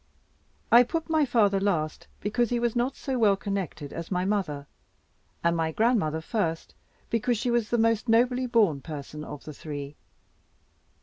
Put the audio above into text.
I put my father last, because he was not so well connected as my mother, and my grandmother first, because she was the most nobly born person of the three.